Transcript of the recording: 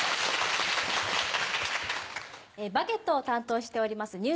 『バゲット』を担当しております